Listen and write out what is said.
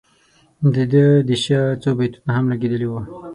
د ده د شعر څو بیتونه هم لګیدلي وو.